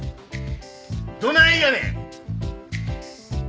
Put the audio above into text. どないやねん！